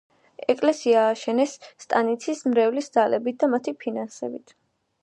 ეკლესია ააშენეს სტანიცის მრევლის ძალებით და მათი ფინანსებით.